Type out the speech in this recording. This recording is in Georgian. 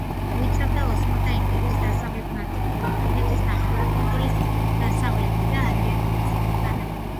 მოიცავდა ოსმალთა იმპერიის დასავლეთ ნაწილს, ბალკანეთის ნახევარკუნძულის დასავლეთით ადრიატიკის ზღვის სანაპიროს.